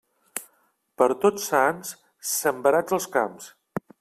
Per Tots Sants, sembrats els camps.